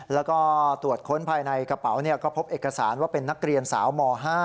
แล้วก็ตรวจค้นภายในกระเป๋าก็พบเอกสารว่าเป็นนักเรียนสาวม๕